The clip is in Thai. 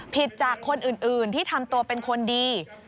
ผิดจากคนอื่นที่ทำตัวเป็นคนดี